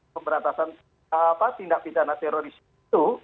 pemberantasan tindak pidana teroris itu